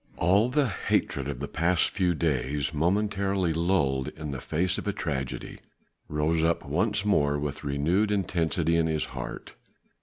All the hatred of the past few days momentarily lulled in the face of a tragedy rose up once more with renewed intensity in his heart.